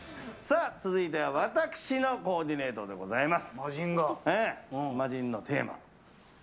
続いては私のコーディネートでございます。